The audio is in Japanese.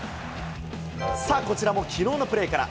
さあ、こちらもきのうのプレーから。